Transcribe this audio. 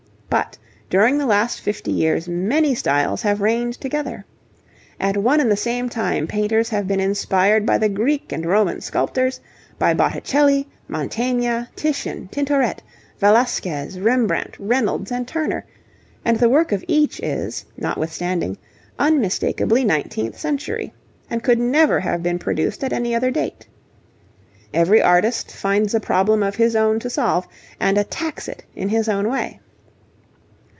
But during the last fifty years many styles have reigned together. At one and the same time painters have been inspired by the Greek and Roman sculptors, by Botticelli, Mantegna, Titian, Tintoret, Velasquez, Rembrandt, Reynolds, and Turner, and the work of each is, notwithstanding, unmistakably nineteenth century, and could never have been produced at any other date. Every artist finds a problem of his own to solve, and attacks it in his own way.